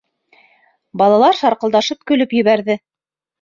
Балалар шарҡылдашып көлөп ебәрҙе.